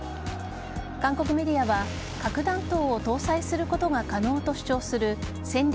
韓国メディアは核弾頭を搭載することが可能と主張する戦略